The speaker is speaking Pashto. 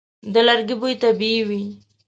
د لرګي بوی طبیعي وي.